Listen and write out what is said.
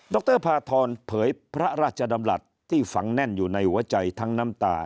รพาทรเผยพระราชดำรัฐที่ฝังแน่นอยู่ในหัวใจทั้งน้ำตา